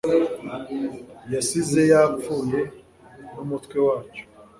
Yasize yapfuye numutwe wacyo